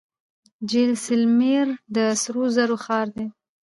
جیسلمیر د سرو زرو ښار دی.